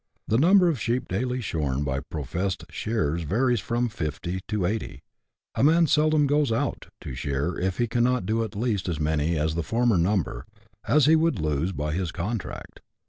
The number of sheep daily shorn by professed shearers varies from 50 to 80. A man seldom " goes out " to shear if he cannot do at least as many as the former number, as he would lose by his contract.